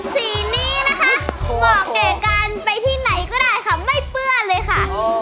สีนี้นะคะเหมาะแก่การไปที่ไหนก็ได้ค่ะไม่เปื้อนเลยค่ะ